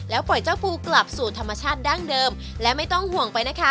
ปล่อยเจ้าปูกลับสู่ธรรมชาติดั้งเดิมและไม่ต้องห่วงไปนะคะ